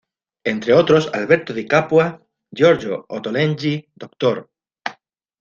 Entre otros Alberto Di Capua, Giorgio Ottolenghi, Dr.